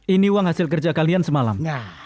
ini uang hasil kerja kalian semalam